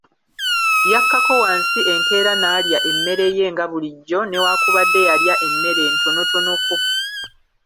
Yakkako wansi enkeera n'alya emmere ye nga bulijjo, newakubadde yalya emmere ntonotonoko.